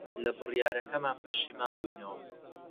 لە بڕیارەکەمان پەشیمان بووینەوە.